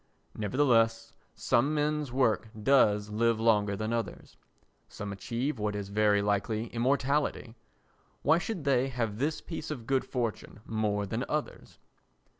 Nevertheless, some men's work does live longer than others. Some achieve what is very like immortality. Why should they have this piece of good fortune more than others?